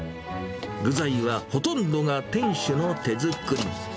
具材はほとんどが店主の手作り。